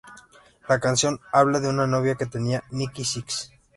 La canción habla de una novia que tenía Nikki Sixx.